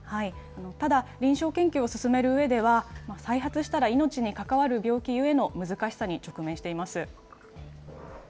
ただ、臨床研究を進めるうえでは、再発したら命に関わる病気ゆえの難しさに直面しています。